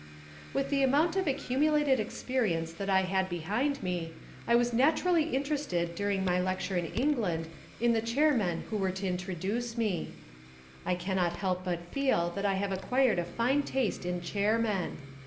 With the amount of accumulated experience that I had behind me I was naturally interested during my lecture in England in the chairmen who were to introduce me. I cannot help but feel that I have acquired a fine taste in chair men.